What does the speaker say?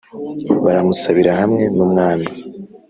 Baramusabira hamwe n'umwami